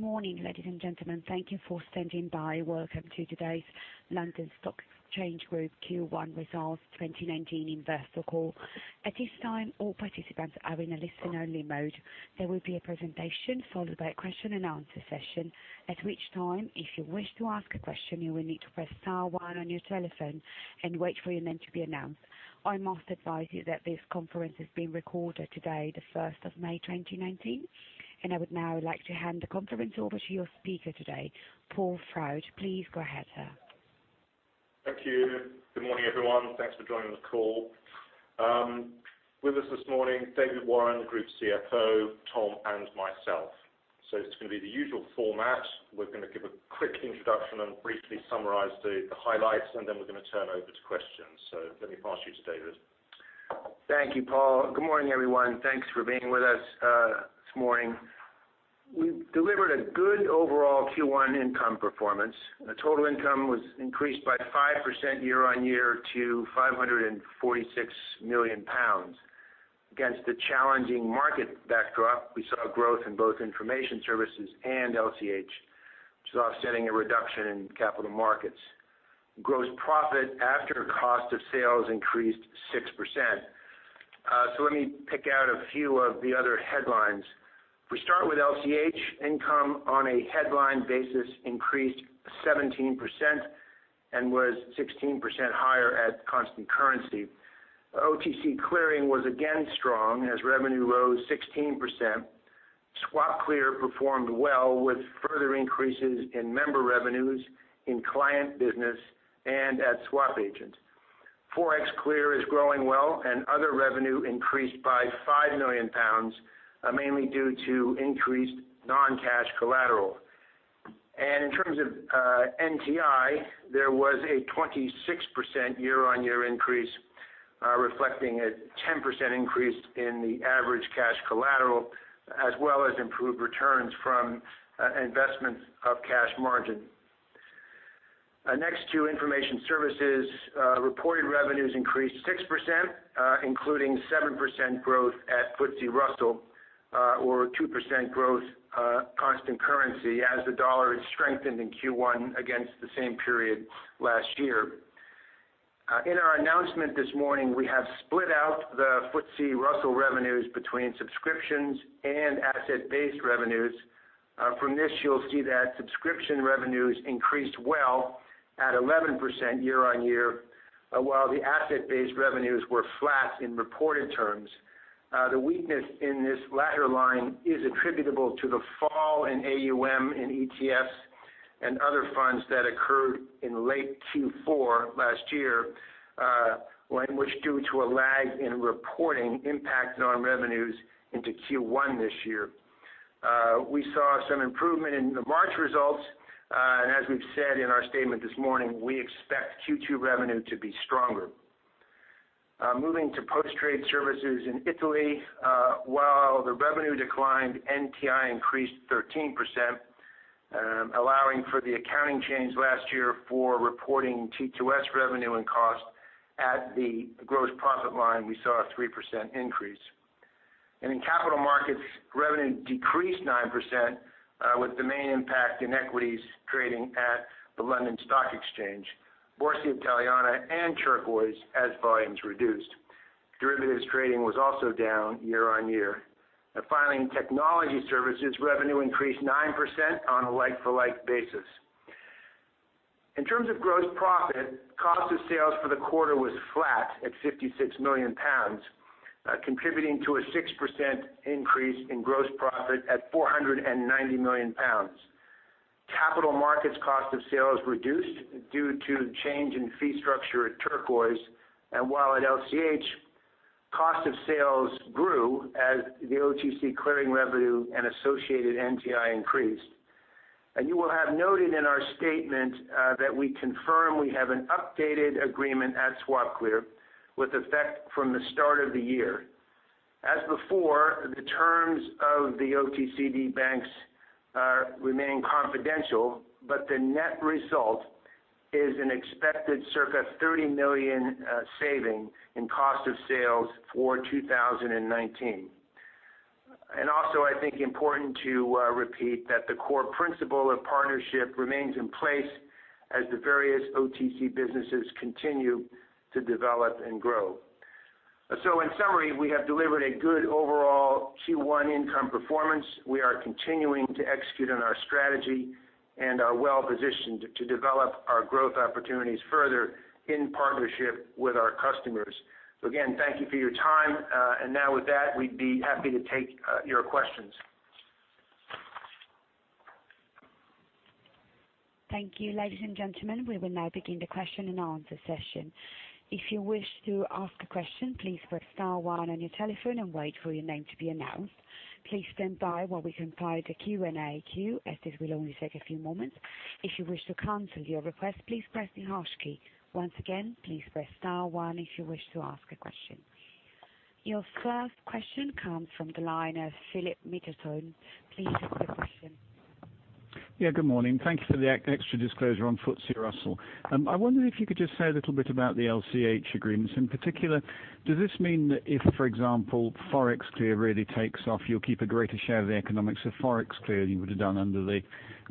Good morning, ladies and gentlemen. Thank you for standing by. Welcome to today's London Stock Exchange Group Q1 Results 2019 Investor Call. At this time, all participants are in a listen-only mode. There will be a presentation followed by a question and answer session. At which time, if you wish to ask a question, you will need to press star one on your telephone and wait for your name to be announced. I must advise you that this conference is being recorded today, the 1st of May 2019. I would now like to hand the conference over to your speaker today, Paul Froud. Please go ahead, sir. Thank you. Good morning, everyone. Thanks for joining the call. With us this morning, David Warren, the group CFO, Tom, and myself. It's going to be the usual format. We're going to give a quick introduction and briefly summarize the highlights, then we're going to turn over to questions. Let me pass you to David. Thank you, Paul. Good morning, everyone. Thanks for being with us this morning. We've delivered a good overall Q1 income performance. The total income was increased by 5% year-on-year to 546 million pounds. Against a challenging market backdrop, we saw growth in both Information Services and LCH, which offsetting a reduction in Capital Markets. Gross profit after cost of sales increased 6%. Let me pick out a few of the other headlines. If we start with LCH, income on a headline basis increased 17% and was 16% higher at constant currency. OTC Clearing was again strong as revenue rose 16%. SwapClear performed well with further increases in member revenues, in client business, and at swap agents. ForexClear is growing well, and other revenue increased by 5 million pounds, mainly due to increased non-cash collateral. In terms of NTI, there was a 26% year-on-year increase, reflecting a 10% increase in the average cash collateral, as well as improved returns from investments of cash margin. Next, to Information Services. Reported revenues increased 6%, including 7% growth at FTSE Russell, or 2% growth constant currency as the dollar has strengthened in Q1 against the same period last year. In our announcement this morning, we have split out the FTSE Russell revenues between subscriptions and asset-based revenues. From this, you'll see that subscription revenues increased well at 11% year-on-year, while the asset-based revenues were flat in reported terms. The weakness in this latter line is attributable to the fall in AUM in ETFs and other funds that occurred in late Q4 last year, which due to a lag in reporting, impacted on revenues into Q1 this year. We saw some improvement in the March results. As we've said in our statement this morning, we expect Q2 revenue to be stronger. Moving to Post Trade Services in Italy. While the revenue declined, NTI increased 13%, allowing for the accounting change last year for reporting T2S revenue and cost. At the gross profit line, we saw a 3% increase. In Capital Markets, revenue decreased 9%, with the main impact in equities trading at the London Stock Exchange, Borsa Italiana, and Turquoise as volumes reduced. Derivatives trading was also down year-on-year. Finally, Technology Services revenue increased 9% on a like-for-like basis. In terms of gross profit, cost of sales for the quarter was flat at 56 million pounds, contributing to a 6% increase in gross profit at 490 million pounds. Capital Markets cost of sales reduced due to change in fee structure at Turquoise. While at LCH, cost of sales grew as the OTC Clearing revenue and associated NTI increased. You will have noted in our statement that we confirm we have an updated agreement at SwapClear with effect from the start of the year. As before, the terms of the OTC derivatives banks remain confidential, but the net result is an expected circa 30 million saving in cost of sales for 2019. Also, I think important to repeat that the core principle of partnership remains in place as the various OTC businesses continue to develop and grow. In summary, we have delivered a good overall Q1 income performance. We are continuing to execute on our strategy and are well-positioned to develop our growth opportunities further in partnership with our customers. Again, thank you for your time. Now with that, we'd be happy to take your questions. Thank you, ladies and gentlemen. We will now begin the question and answer session. If you wish to ask a question, please press star one on your telephone and wait for your name to be announced. Please stand by while we compile the Q&A queue as this will only take a few moments. If you wish to cancel your request, please press the hash key. Once again, please press star one if you wish to ask a question. Your first question comes from the line of Philip Middleton. Please ask your question. Good morning. Thank you for the extra disclosure on FTSE Russell. I wonder if you could just say a little bit about the LCH agreements. In particular, does this mean that if, for example, ForexClear really takes off, you'll keep a greater share of the economics of ForexClear than you would have done under the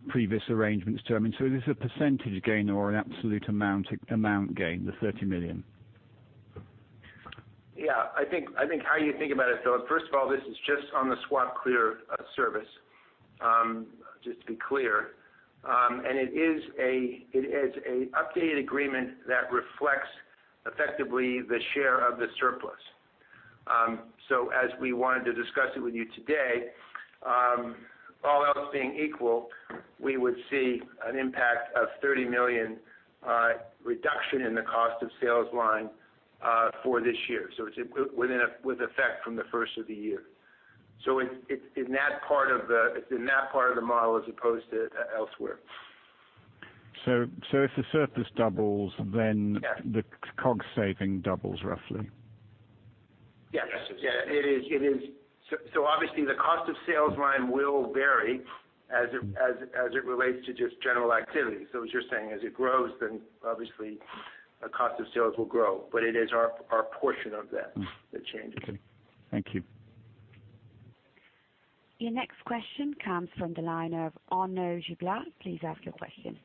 previous arrangements? Is this a percentage gain or an absolute amount gain, the 30 million? I think how you think about it, Philip, first of all, this is just on the SwapClear service, just to be clear. It is an updated agreement that reflects effectively the share of the surplus. As we wanted to discuss it with you today, all else being equal, we would see an impact of 30 million reduction in the cost of sales line, for this year. It is with effect from the first of the year. It is in that part of the model as opposed to elsewhere. If the surplus doubles, then- Yes The COGS saving doubles roughly. Yes. Obviously the cost of sales line will vary as it relates to just general activity. As you're saying, as it grows, then obviously our cost of sales will grow, but it is our portion of that changes. Okay. Thank you. Your next question comes from the line of Arnaud Giblat. Please ask your question.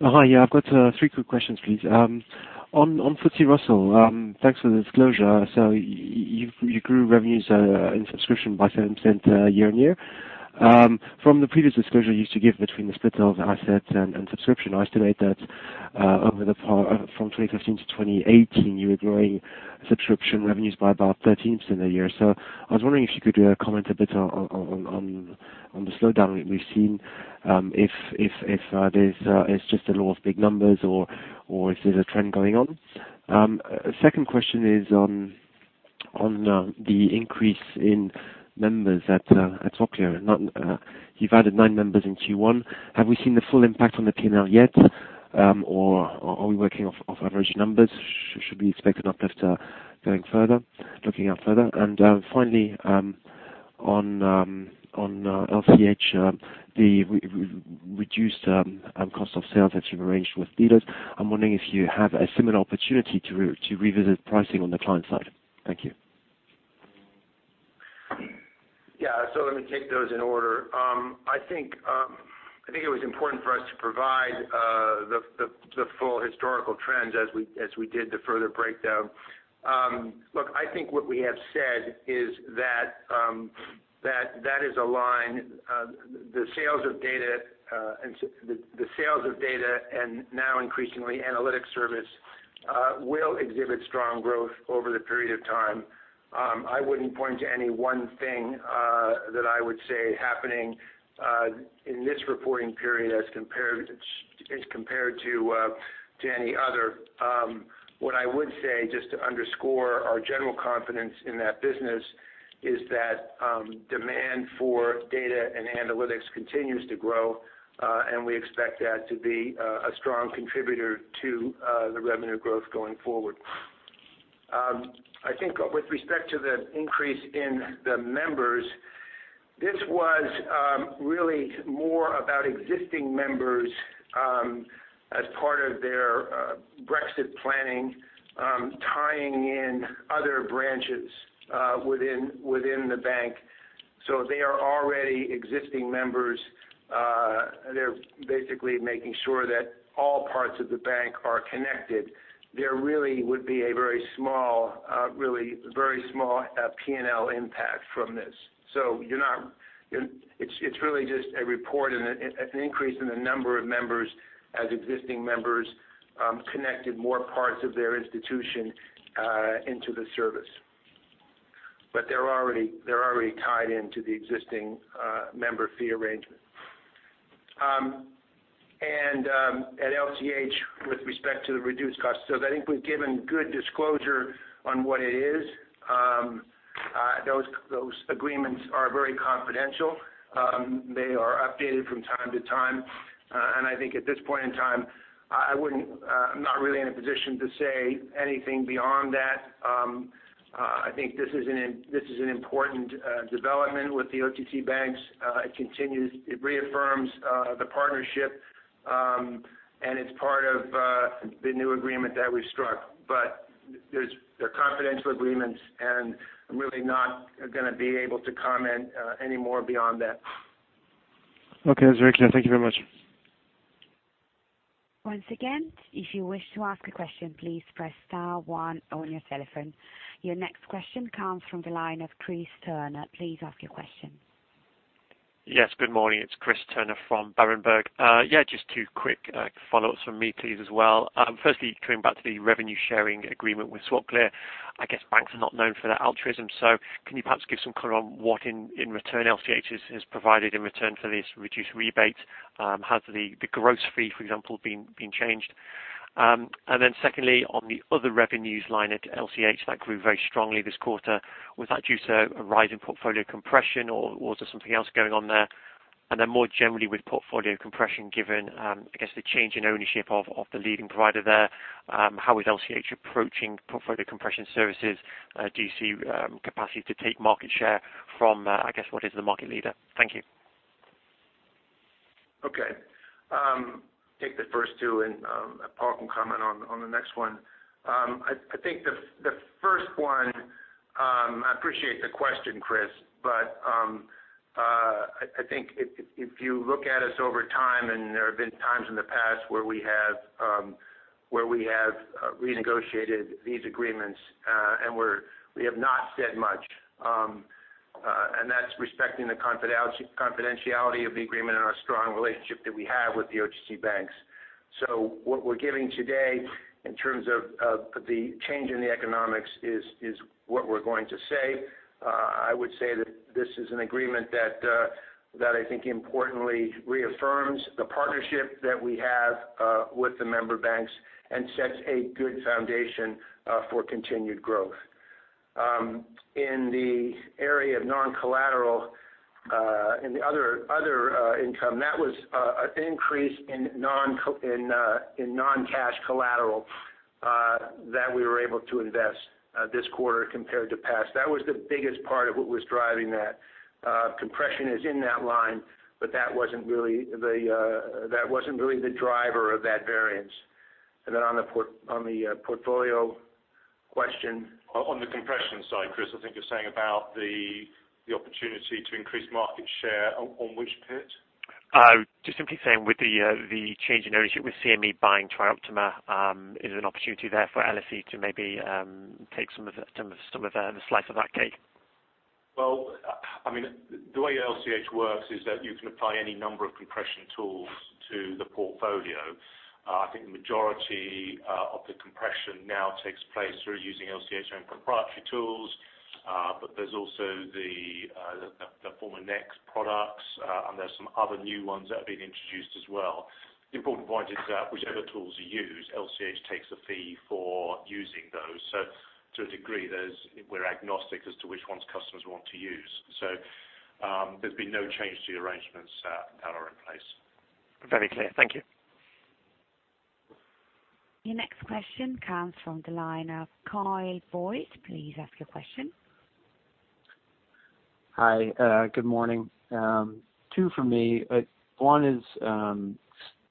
Hi, I've got three quick questions, please. On FTSE Russell, thanks for the disclosure. You grew revenues in subscription by 7% year-on-year. From the previous disclosure you used to give between the split of assets and subscription, I estimate that from 2015 to 2018, you were growing subscription revenues by about 13% a year. I was wondering if you could comment a bit on the slowdown that we've seen, if there's just a law of big numbers or if there's a trend going on. Second question is on the increase in members at LCH. You've added nine members in Q1. Have we seen the full impact on the P&L yet? Or are we working off average numbers? Should we expect an uplift going further, looking out further? Finally, on LCH, the reduced cost of sales that you've arranged with dealers, I'm wondering if you have a similar opportunity to revisit pricing on the client side. Thank you. Yeah. Let me take those in order. I think it was important for us to provide the full historical trends as we did the further breakdown. Look, I think what we have said is that the sales of data, and now increasingly analytics service, will exhibit strong growth over the period of time. I wouldn't point to any one thing that I would say happening in this reporting period as compared to any other. What I would say, just to underscore our general confidence in that business, is that demand for data and analytics continues to grow, and we expect that to be a strong contributor to the revenue growth going forward. I think with respect to the increase in the members, this was really more about existing members, as part of their Brexit planning, tying in other branches within the bank. They are already existing members. They're basically making sure that all parts of the bank are connected. There really would be a very small P&L impact from this. It's really just a report and an increase in the number of members as existing members connected more parts of their institution into the service. They're already tied into the existing member fee arrangement. At LCH, with respect to the reduced cost sales, I think we've given good disclosure on what it is. Those agreements are very confidential. They are updated from time to time. I think at this point in time, I'm not really in a position to say anything beyond that. I think this is an important development with the OTC banks. It reaffirms the partnership, and it's part of the new agreement that we've struck. They're confidential agreements, and I'm really not going to be able to comment any more beyond that. Okay. That's very clear. Thank you very much. Once again, if you wish to ask a question, please press star one on your telephone. Your next question comes from the line of Chris Turner. Please ask your question. Yes, good morning. It's Chris Turner from Berenberg. Yeah, just two quick follow-ups from me please as well. Firstly, coming back to the revenue-sharing agreement with SwapClear. I guess banks are not known for their altruism, so can you perhaps give some color on what in return LCH has provided in return for this reduced rebate? Has the gross fee, for example, been changed? Secondly, on the other revenues line at LCH, that grew very strongly this quarter. Was that due to a rise in portfolio compression, or was there something else going on there? More generally with portfolio compression given, I guess the change in ownership of the leading provider there, how is LCH approaching portfolio compression services? Do you see capacity to take market share from, I guess, what is the market leader? Thank you. Okay. Take the first two, Paul can comment on the next one. I think the first one, I appreciate the question, Chris, but I think if you look at us over time, there have been times in the past where we have renegotiated these agreements, we have not said much. That's respecting the confidentiality of the agreement and our strong relationship that we have with the OTC banks. What we're giving today in terms of the change in the economics is what we're going to say. I would say that this is an agreement that I think importantly reaffirms the partnership that we have with the member banks and sets a good foundation for continued growth. In the area of non-collateral, in the other income, that was an increase in non-cash collateral that we were able to invest this quarter compared to past. That was the biggest part of what was driving that. Compression is in that line, but that wasn't really the driver of that variance. On the portfolio question- On the compression side, Chris, I think you're saying about the opportunity to increase market share on which pit? Simply saying with the change in ownership with CME buying TriOptima, is there an opportunity there for LSE to maybe take some of the slice of that cake? Well, the way LCH works is that you can apply any number of compression tools to the portfolio. I think the majority of the compression now takes place through using LCH's own proprietary tools. There's also the former NEX products, and there's some other new ones that have been introduced as well. The important point is that whichever tools you use, LCH takes a fee for using those. To a degree, we're agnostic as to which ones customers want to use. There's been no change to the arrangements that are in place. Very clear. Thank you. Your next question comes from the line of Kyle Voigt. Please ask your question. Hi. Good morning. Two from me. One is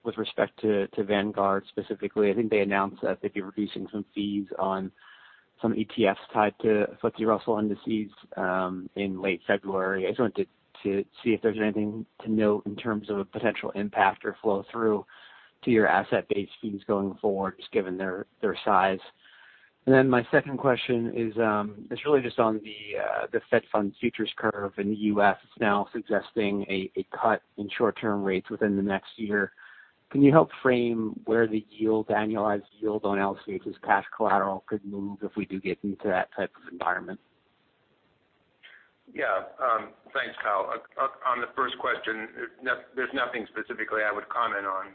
with respect to Vanguard specifically. I think they announced that they'd be reducing some fees on some ETFs tied to FTSE Russell indices in late February. I just wanted to see if there's anything to note in terms of a potential impact or flow-through to your asset base fees going forward, just given their size. My second question is really just on the Fed Funds futures curve in the U.S. It's now suggesting a cut in short-term rates within the next year. Can you help frame where the annualized yield on LCH's cash collateral could move if we do get into that type of environment? Yeah. Thanks, Kyle. On the first question, there's nothing specifically I would comment on.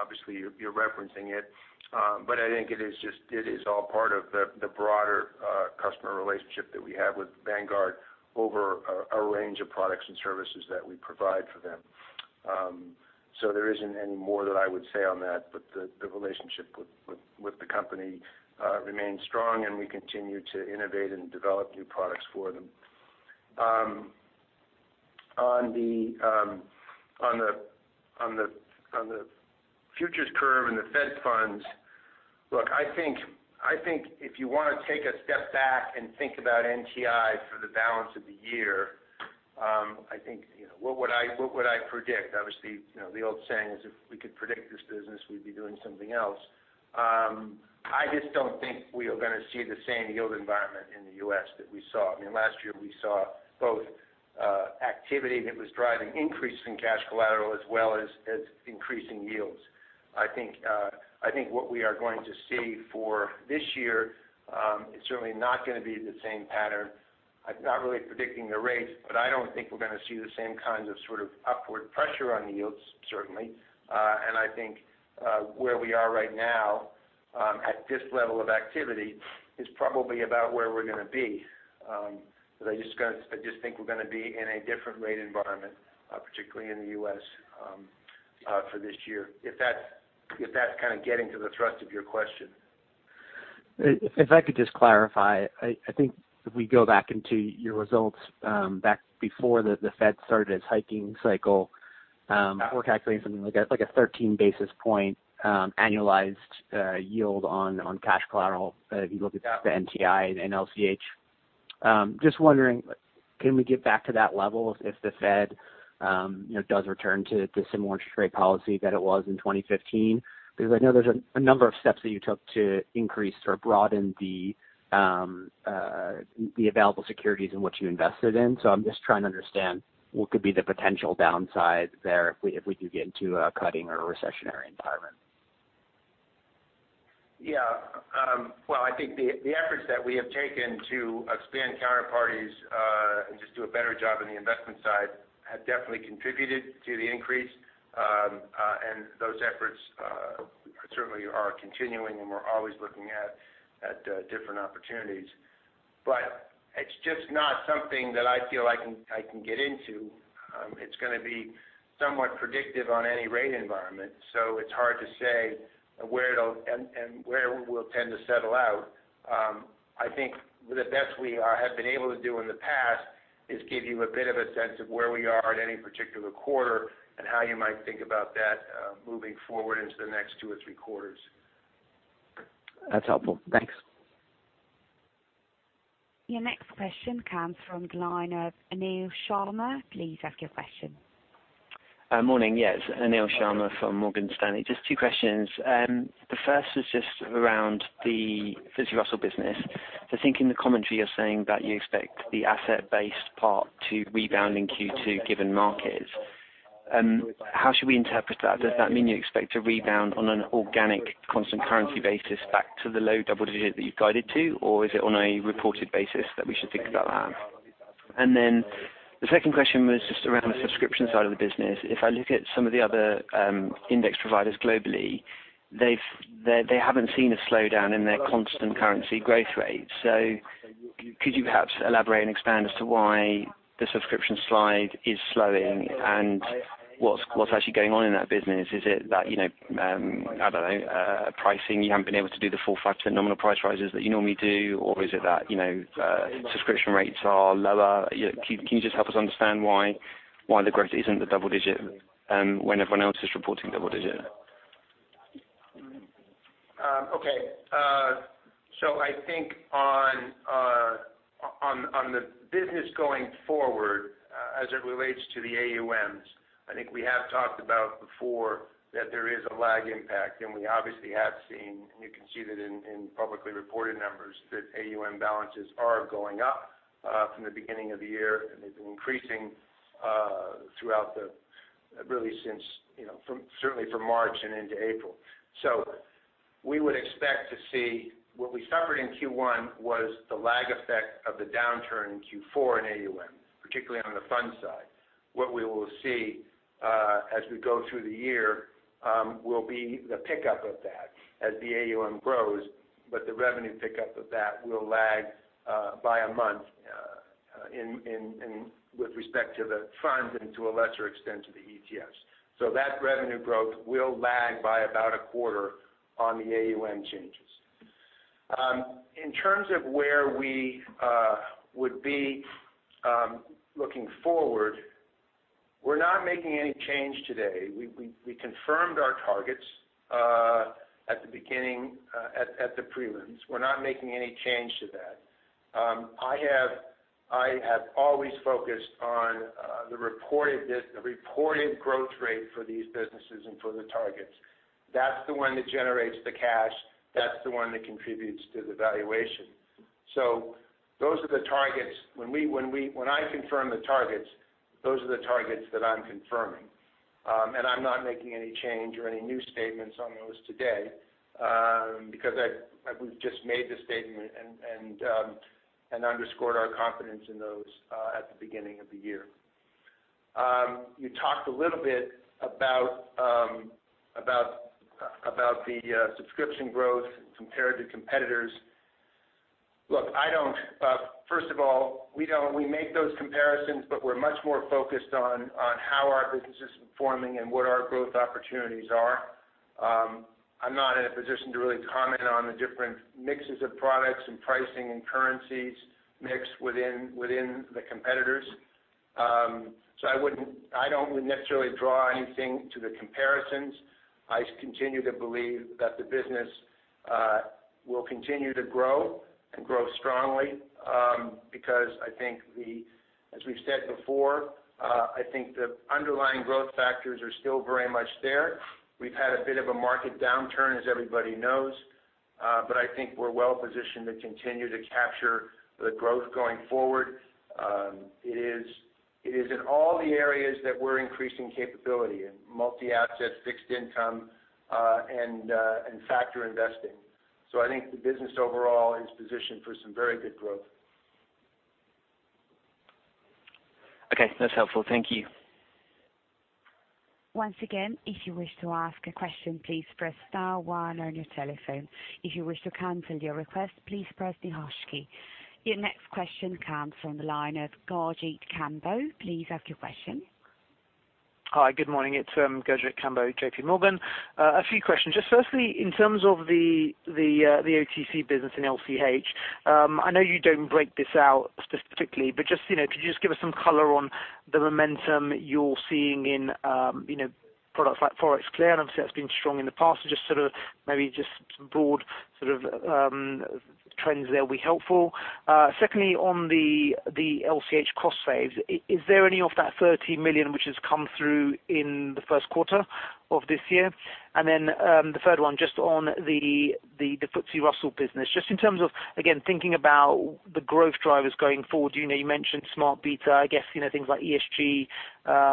Obviously, you're referencing it. I think it is all part of the broader customer relationship that we have with Vanguard over a range of products and services that we provide for them. There isn't any more that I would say on that, the relationship with the company remains strong, and we continue to innovate and develop new products for them. On the futures curve and the Fed Funds, look, I think if you want to take a step back and think about NTI for the balance of the year, what would I predict? Obviously, the old saying is if we could predict this business, we'd be doing something else. I just don't think we are going to see the same yield environment in the U.S. that we saw. Last year, we saw both activity that was driving increase in cash collateral as well as increasing yields. I think what we are going to see for this year, it's certainly not going to be the same pattern. I'm not really predicting the rates, I don't think we're going to see the same kinds of upward pressure on yields, certainly. I think where we are right now, at this level of activity, is probably about where we're going to be. I just think we're going to be in a different rate environment, particularly in the U.S., for this year, if that's getting to the thrust of your question. If I could just clarify, I think if we go back into your results, back before the Fed started its hiking cycle, we're calculating something like a 13-basis point annualized yield on cash collateral if you look at the NTI and LCH. Just wondering, can we get back to that level if the Fed does return to the similar interest rate policy that it was in 2015? I know there's a number of steps that you took to increase or broaden the available securities in which you invested in. I'm just trying to understand what could be the potential downside there if we do get into a cutting or a recessionary environment. Yeah. Well, I think the efforts that we have taken to expand counterparties and just do a better job on the investment side have definitely contributed to the increase. Those efforts certainly are continuing, and we're always looking at different opportunities. It's just not something that I feel I can get into. It's going to be somewhat predictive on any rate environment, so it's hard to say where we'll tend to settle out. I think the best we have been able to do in the past is give you a bit of a sense of where we are at any particular quarter and how you might think about that moving forward into the next two or three quarters. That's helpful. Thanks. Your next question comes from the line of Anil Sharma. Please ask your question. Morning. Yes, Anil Sharma from Morgan Stanley. Just two questions. The first is just around the FTSE Russell business. I think in the commentary you're saying that you expect the asset-based part to rebound in Q2, given markets. How should we interpret that? Does that mean you expect to rebound on an organic, constant currency basis back to the low double-digit that you've guided to? Then the second question was just around the subscription side of the business. If I look at some of the other index providers globally, they haven't seen a slowdown in their constant currency growth rate. Could you perhaps elaborate and expand as to why the subscription side is slowing and what's actually going on in that business? Is it that, I don't know, pricing, you haven't been able to do the full 5% nominal price rises that you normally do? Or is it that subscription rates are lower? Can you just help us understand why the growth isn't double-digit, when everyone else is reporting double-digit? I think on the business going forward, as it relates to the AUMs, I think we have talked about before that there is a lag impact. We obviously have seen, and you can see that in publicly reported numbers, that AUM balances are going up from the beginning of the year, and they've been increasing really since, certainly from March and into April. We would expect to see what we suffered in Q1 was the lag effect of the downturn in Q4 and AUM, particularly on the fund side. What we will see as we go through the year will be the pickup of that as the AUM grows, but the revenue pickup of that will lag by a month with respect to the funds and to a lesser extent, to the ETFs. That revenue growth will lag by about a quarter on the AUM changes. In terms of where we would be looking forward, we're not making any change today. We confirmed our targets at the prelims. We're not making any change to that. I have always focused on the reported growth rate for these businesses and for the targets. That's the one that generates the cash. That's the one that contributes to the valuation. Those are the targets. When I confirm the targets, those are the targets that I'm confirming. I'm not making any change or any new statements on those today, because we've just made the statement and underscored our confidence in those at the beginning of the year. You talked a little bit about the subscription growth compared to competitors. Look, first of all, we make those comparisons, but we're much more focused on how our business is performing and what our growth opportunities are. I'm not in a position to really comment on the different mixes of products and pricing and currencies mixed within the competitors. I wouldn't necessarily draw anything to the comparisons. I continue to believe that the business will continue to grow and grow strongly, because as we've said before, I think the underlying growth factors are still very much there. We've had a bit of a market downturn, as everybody knows. I think we're well positioned to continue to capture the growth going forward. It is in all the areas that we're increasing capability, in multi-asset, fixed income, and factor investing. I think the business overall is positioned for some very good growth. Okay. That's helpful. Thank you. Once again, if you wish to ask a question, please press star one on your telephone. If you wish to cancel your request, please press the hash key. Your next question comes from the line of Gurjit Kambo. Please ask your question. Hi. Good morning. It's Gurjit Kambo, JP Morgan. A few questions. Just firstly, in terms of the OTC business in LCH. I know you don't break this out specifically, but could you just give us some color on the momentum you're seeing in products like ForexClear? Obviously that's been strong in the past. Just maybe just some broad trends there would be helpful. Secondly, on the LCH cost saves, is there any of that 30 million which has come through in the first quarter of this year? Then the third one, just on the FTSE Russell business. Just in terms of, again, thinking about the growth drivers going forward. You mentioned smart beta, I guess things like ESG,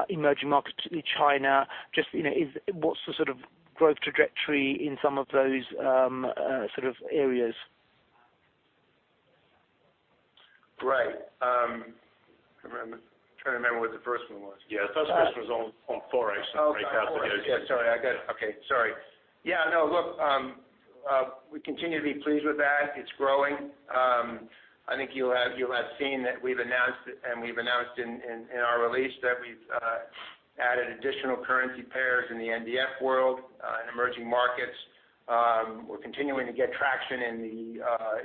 emerging markets, particularly China. Just what's the sort of growth trajectory in some of those areas? Right. I'm trying to remember what the first one was. Yeah, the first one was on Forex. Oh, Forex. Yeah, sorry. Okay. Sorry. Yeah, no, look, we continue to be pleased with that. It's growing. I think you'll have seen that we've announced it, and we've announced in our release that we've added additional currency pairs in the NDF world, in emerging markets. We're continuing to get traction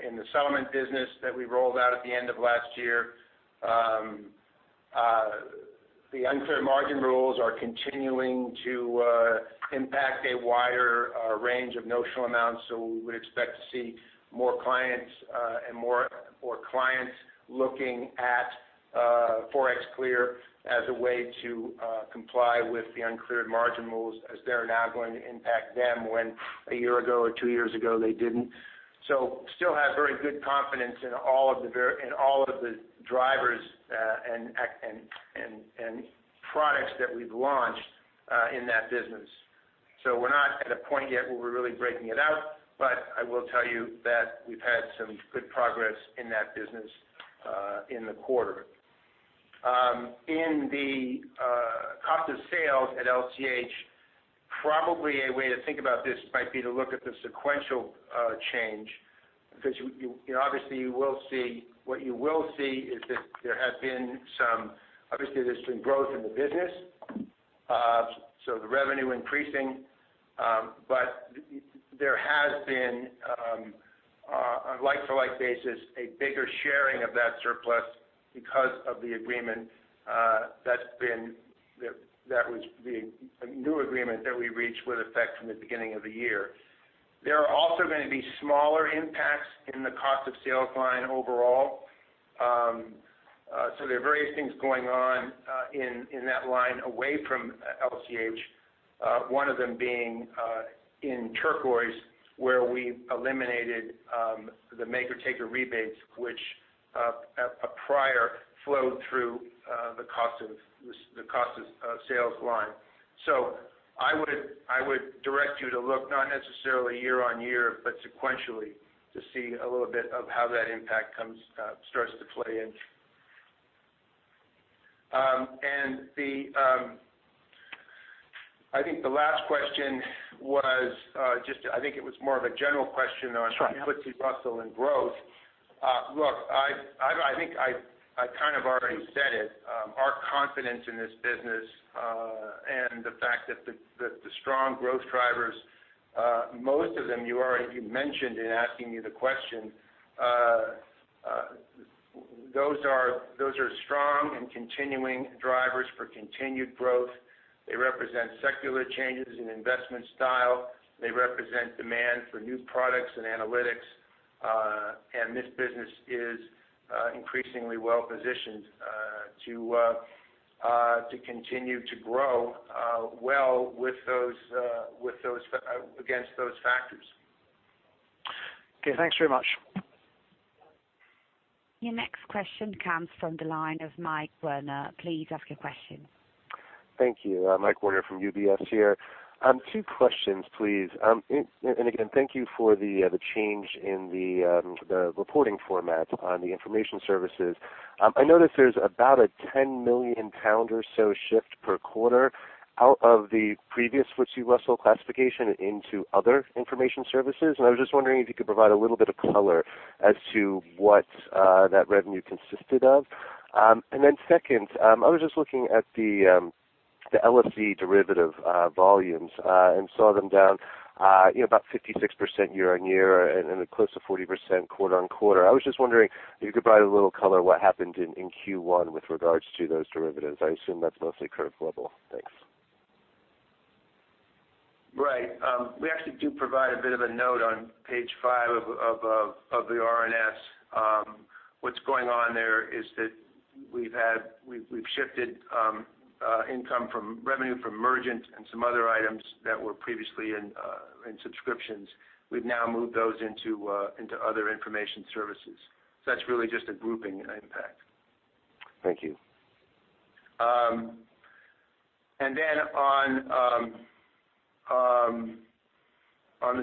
in the settlement business that we rolled out at the end of last year. The uncleared margin rules are continuing to impact a wider range of notional amounts. We would expect to see more clients looking at ForexClear as a way to comply with the uncleared margin rules as they're now going to impact them when one year ago or two years ago they didn't. Still have very good confidence in all of the drivers and products that we've launched in that business. We're not at a point yet where we're really breaking it out, but I will tell you that we've had some good progress in that business in the quarter. In the cost of sales at LCH, probably a way to think about this might be to look at the sequential change because obviously what you will see is that there has been some growth in the business, so the revenue increasing. There has been, on a like-for-like basis, a bigger sharing of that surplus because of the new agreement that we reached with effect from the beginning of the year. There are also going to be smaller impacts in the cost of sales line overall. There are various things going on in that line away from LCH. One of them being in Turquoise, where we eliminated the maker-taker rebates, which prior flowed through the cost of sales line. I would direct you to look not necessarily year-on-year, but sequentially to see a little bit of how that impact starts to play in. I think the last question was more of a general question on. Sure FTSE Russell and growth. Look, I think I kind of already said it. Our confidence in this business and the fact that the strong growth drivers, most of them you already mentioned in asking me the question. Those are strong and continuing drivers for continued growth. They represent secular changes in investment style. They represent demand for new products and analytics. This business is increasingly well-positioned to continue to grow well against those factors. Okay. Thanks very much. Your next question comes from the line of Michael Werner. Please ask your question. Thank you. Michael Werner from UBS here. Two questions, please. Again, thank you for the change in the reporting format on the Information Services. I noticed there's about a 10 million pound or so shift per quarter out of the previous FTSE Russell classification into other Information Services. I was just wondering if you could provide a little bit of color as to what that revenue consisted of. Second, I was just looking at the LSE derivative volumes, saw them down about 56% year-over-year and close to 40% quarter-over-quarter. I was just wondering if you could provide a little color what happened in Q1 with regards to those derivatives. I assume that's mostly CurveGlobal level. Thanks. Right. We actually do provide a bit of a note on page five of the RNS. What's going on there is that we've shifted revenue from Mergent and some other items that were previously in subscriptions. We've now moved those into other Information Services. That's really just a grouping impact. Thank you. On the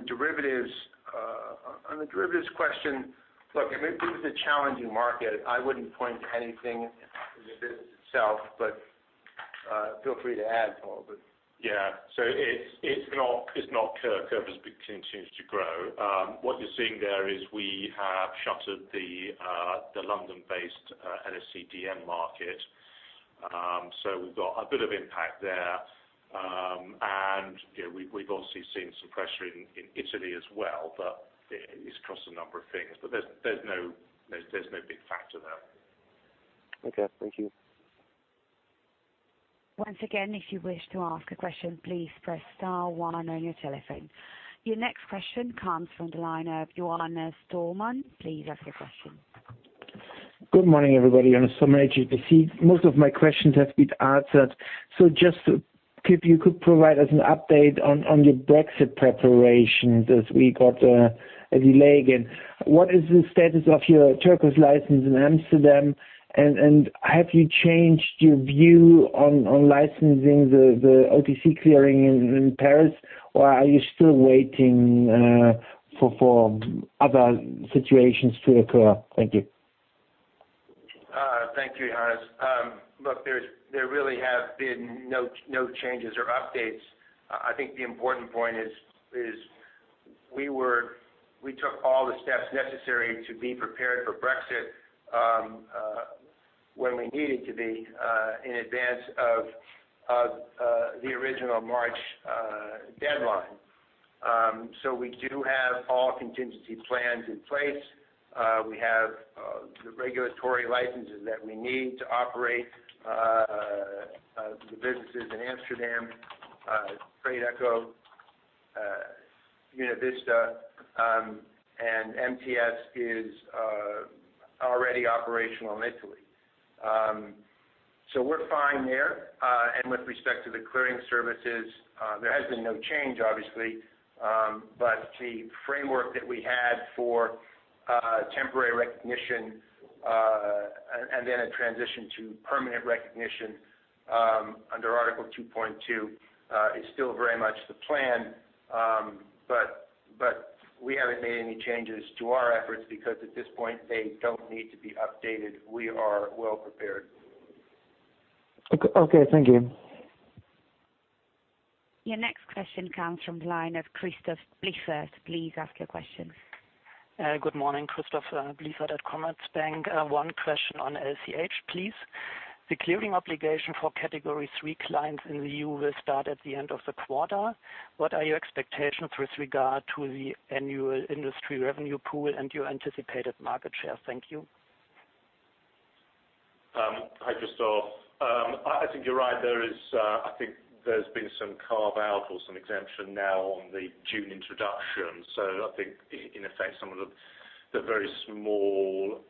derivatives question. Look, I mean, it was a challenging market. I wouldn't point to anything in the business itself, but feel free to add, Paul. Yeah. It's not CurveGlobal. CurveGlobal continues to grow. What you are seeing there is we have shuttered the London-based LSEDM market. We have got a bit of impact there. We have obviously seen some pressure in Italy as well, but it is across a number of things. There is no big factor there. Okay. Thank you. Once again, if you wish to ask a question, please press star one on your telephone. Your next question comes from the line of Johannes Thormann. Please ask your question. Good morning, everybody. Johannes Thormann, HSBC. Most of my questions have been answered. Just if you could provide us an update on the Brexit preparations as we got a delay again. What is the status of your Turquoise license in Amsterdam, and have you changed your view on licensing the OTC Clearing in Paris, or are you still waiting for other situations to occur? Thank you. Thank you, Johannes. Look, there really have been no changes or updates. I think the important point is we took all the steps necessary to be prepared for Brexit. When we needed to be in advance of the original March deadline. We do have all contingency plans in place. We have the regulatory licenses that we need to operate the businesses in Amsterdam, TRADEcho, UnaVista, and MTS is already operational in Italy. We're fine there. With respect to the clearing services, there has been no change, obviously. The framework that we had for temporary recognition and then a transition to permanent recognition under Article 25(2) is still very much the plan. We haven't made any changes to our efforts because, at this point, they don't need to be updated. We are well-prepared. Okay. Thank you. Your next question comes from the line of Christoph Blieffert. Please ask your question. Good morning. Christoph Blieffert, Commerzbank. One question on LCH, please. The clearing obligation for category 3 clients in the EU will start at the end of the quarter. What are your expectations with regard to the annual industry revenue pool and your anticipated market share? Thank you. Hi, Christoph. I think you're right. I think there's been some carve-out or some exemption now on the June introduction. I think, in effect, some of the very small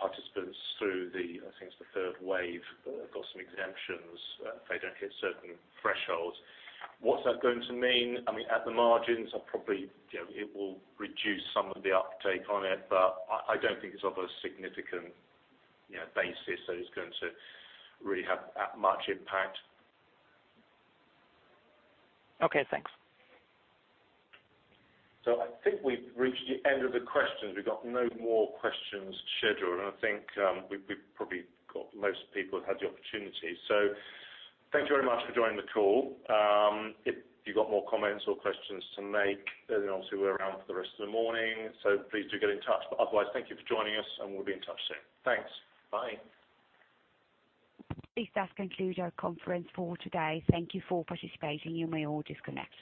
participants through the, I think it's the third wave, got some exemptions if they don't hit certain thresholds. What's that going to mean? I mean, at the margins, probably it will reduce some of the uptake on it, I don't think it's of a significant basis that is going to really have that much impact. Okay, thanks. I think we've reached the end of the questions. We've got no more questions scheduled, I think we've probably got most people had the opportunity. Thank you very much for joining the call. If you've got more comments or questions to make, obviously we're around for the rest of the morning, please do get in touch. Otherwise, thank you for joining us and we'll be in touch soon. Thanks. Bye. This does conclude our conference for today. Thank you for participating. You may all disconnect.